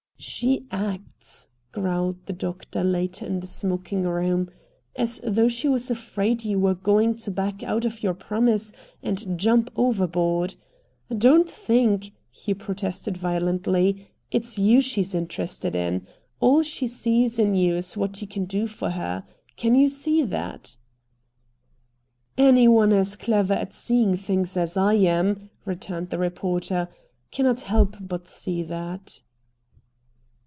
"She acts," growled the doctor later in the smoking room, "as though she was afraid you were going to back out of your promise and jump overboard." "Don't think," he protested violently, "it's you she's interested in. All she sees in you is what you can do for her. Can you see that?" "Any one as clever at seeing things as I am," returned the reporter, "cannot help but see that."